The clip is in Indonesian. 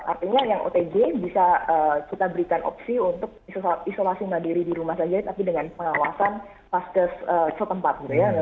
artinya yang otg bisa kita berikan opsi untuk isolasi mandiri di rumah saja tapi dengan pengawasan paskes setempat gitu ya